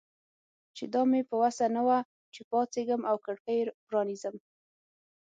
چې دا مې په وسه نه وه چې پاڅېږم او کړکۍ پرانیزم.